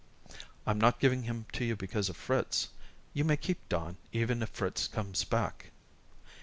"I'm not giving him to you because of Fritz. You may keep Don even if Fritz comes back."